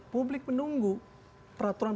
publik menunggu peraturan